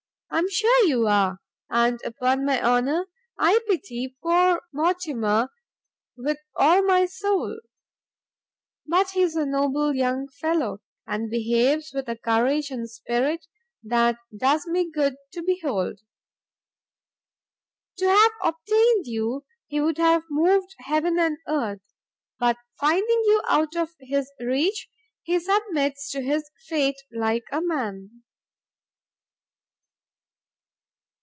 I am sure you are; and upon my honour I pity poor Mortimer with all my soul! But he is a noble young fellow, and behaves with a courage and spirit that does me good to behold. To have obtained you, he would have moved heaven and earth, but finding you out of his reach, he submits to his fate like a man."